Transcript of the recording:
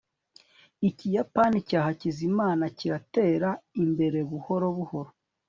ikiyapani cya hakizimana kiratera imbere buhoro buhoro